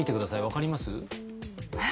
分かります？え？